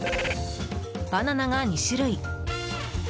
バナナが２種類。